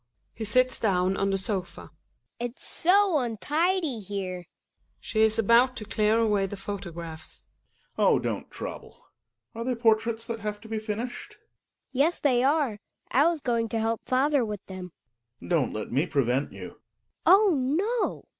He sits down on the sofa, Hedvio. It's so untidy here She is about ic clear away the photographs. Gregers. Oh I don't trouble. Are they portraits tha^ have to be finished ? Hedvig. Yes, they are ; I was going to help father with them. Gregers. Don't let me prevent you. Hedvig. Oh, no.